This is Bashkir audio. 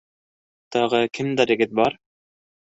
— Тағы кемдәрегеҙ бар?